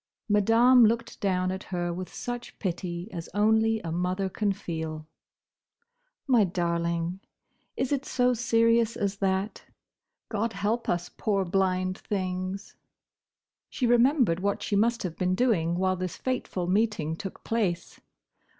Madame looked down at her with such pity as only a mother can feel. "My darling! Is it so serious as that? God help us, poor blind things!" She remembered what she must have been doing while this fateful meeting took place.